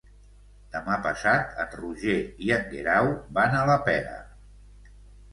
Demà passat en Roger i en Guerau van a la Pera.